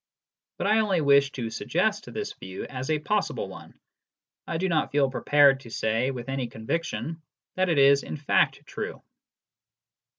But I only wish to suggest this view as a possible one : I do not feel prepared to say with any conviction that it is in fact true.